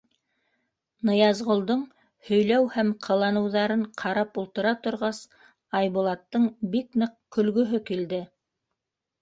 Ныязғолдоң һөйләү һәм ҡыланыуҙарын ҡарап ултыра торғас, Айбулаттың бик ныҡ көлгөһө килде.